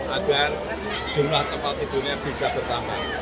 agar jumlah tempat tidurnya bisa bertambah